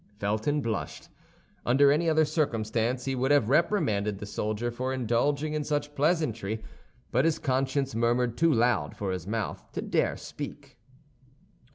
Felton blushed. Under any other circumstances he would have reprimanded the soldier for indulging in such pleasantry, but his conscience murmured too loud for his mouth to dare speak.